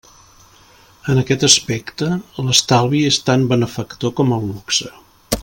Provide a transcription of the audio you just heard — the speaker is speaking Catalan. En aquest aspecte, l'estalvi és tan benefactor com el luxe.